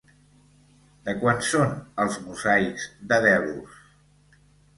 De quan són els mosaics de Delos?